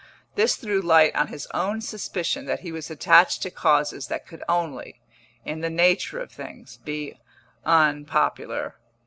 This threw light on his own suspicion that he was attached to causes that could only, in the nature of things, be unpopular.